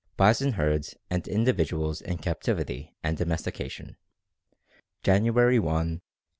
BISON HERDS AND INDIVIDUALS IN CAPTIVITY AND DOMESTICATION, JANUARY 1, 1889.